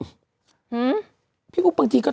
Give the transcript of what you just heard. ไปเก็บรักษาตอนนั้นคือเขาคงคิดว่า